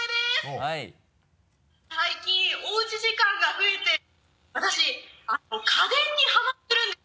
最近おうち時間が増えて私家電にハマってるんですよ。